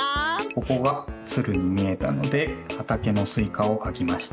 ここがつるにみえたのではたけのスイカをかきました。